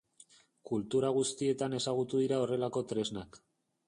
Kultura guztietan ezagutu dira horrelako tresnak.